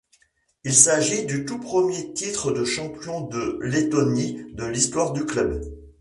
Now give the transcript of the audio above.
Il s'agit du tout premier titre de champion de Lettonie de l'histoire du club.